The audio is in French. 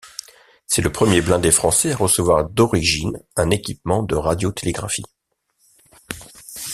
C'est le premier blindé français à recevoir d'origine un équipement de radiotélégraphie.